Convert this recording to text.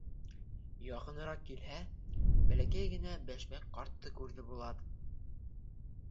Яҡыныраҡ килһә, бәләкәй генә Бәшмәк ҡартты күрҙе Булат.